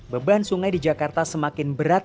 beban sungai di jakarta semakin berat